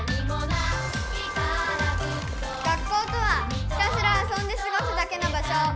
学校とはひたすらあそんですごすだけの場しょ。